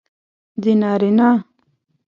د نارینه